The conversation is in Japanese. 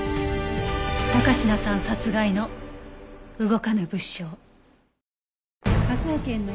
高階さん殺害の動かぬ物証。